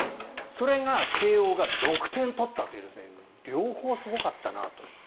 それが慶応が６点取ったという両方すごかったなと。